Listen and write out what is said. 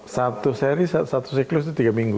satu seri satu siklus itu tiga minggu